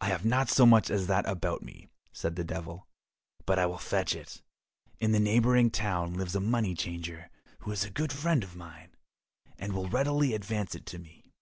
"I have not so much as that about me," said the Devil, "but I will fetch it. In the neighbouring town lives a money changer who is a good friend of mine, and will readily advance it to me."